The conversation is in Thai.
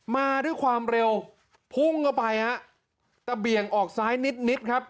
มาด้วยความเร็วพุ่งเข้าไปฮะแต่เบี่ยงออกซ้ายนิดนิดครับ